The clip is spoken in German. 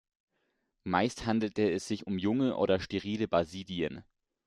Meist handelt es sich um junge oder sterile Basidien.